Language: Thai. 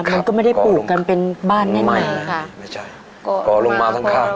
มันก็ไม่ได้ปลูกกันเป็นบ้านใหม่ใหม่นะคะไม่ใช่ก่อลงมาทั้งข้าง